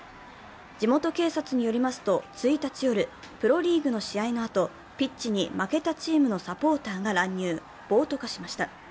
地元警察によりますと、１日夜、プロリーグの試合のあとピッチに、負けたチームのサポーターが乱入、暴徒化しました。